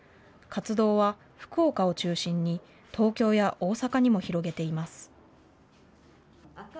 活動は福岡を中心に東京や大阪にも広げています。